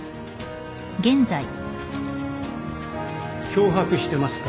脅迫してますか？